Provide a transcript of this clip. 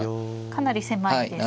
かなり狭いです。